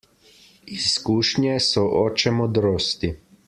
Izkušnje so oče modrosti.